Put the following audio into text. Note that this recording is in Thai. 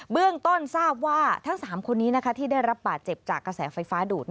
เรื่องต้นทราบว่าทั้ง๓คนนี้ที่ได้รับบาดเจ็บจากกระแสไฟฟ้าดูด